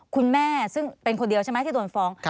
คุณแม่ซึ่งเป็นคนเดียวใช่ไหมที่โดนฟ้อง